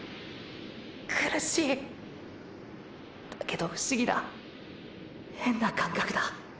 苦しいだけど不思議だヘンな感覚だ。